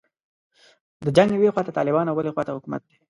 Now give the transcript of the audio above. د جنګ یوې خواته طالبان او بلې خواته حکومت دی.